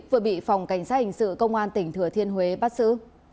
vừa bị phòng cảnh sát hình sự công an tỉnh thừa thiên huế bắt xử